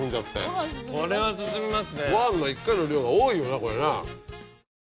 これは進みますね。